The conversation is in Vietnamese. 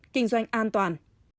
kinh doanh an toàn